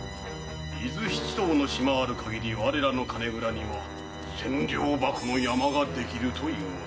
伊豆七島の島ある限り我らの金蔵には千両箱の山ができるというものよ。